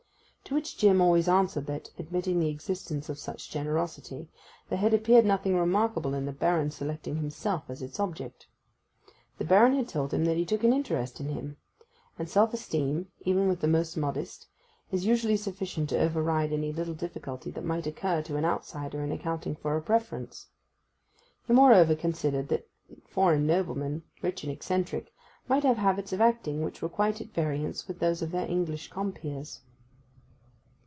To which Jim always answered that, admitting the existence of such generosity, there had appeared nothing remarkable in the Baron selecting himself as its object. The Baron had told him that he took an interest in him; and self esteem, even with the most modest, is usually sufficient to over ride any little difficulty that might occur to an outsider in accounting for a preference. He moreover considered that foreign noblemen, rich and eccentric, might have habits of acting which were quite at variance with those of their English compeers.